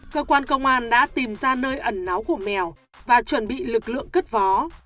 cơ quan công an đã tìm ra nơi ẩn náu của mèo và chuẩn bị lực lượng cất vó